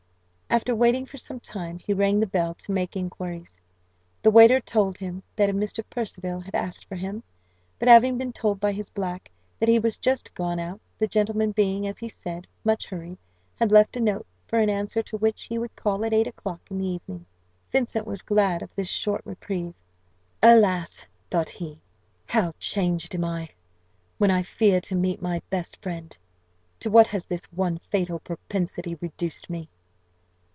After waiting for some time, he rang the bell, to make inquiries. The waiter told him that a Mr. Percival had asked for him; but, having been told by his black that he was just gone out, the gentleman being, as he said, much hurried, had left a note; for an answer to which he would call at eight o'clock in the evening. Vincent was glad of this short reprieve. "Alas!" thought he, "how changed am I, when I fear to meet my best friend! To what has this one fatal propensity reduced me!"